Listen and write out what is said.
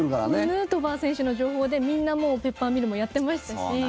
ヌートバー選手の情報でみんなペッパーミルもやってましたし